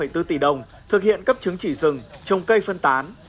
một mươi bốn tỷ đồng thực hiện cấp chứng chỉ rừng trồng cây phân tán